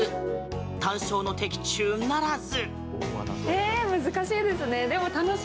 単勝の的中ならず。